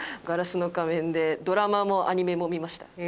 『ガラスの仮面』でドラマもアニメも見ました。